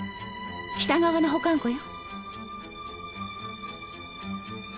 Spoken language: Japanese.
北側の保管庫よ。